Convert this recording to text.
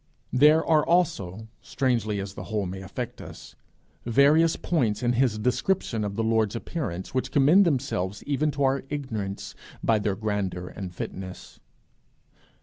There are also, strangely as the whole may affect us, various points in his description of the Lord's appearance which commend themselves even to our ignorance by their grandeur and fitness.